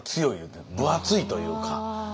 分厚いというか。